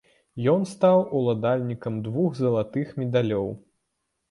Ён стаў уладальнікам двух залатых медалёў.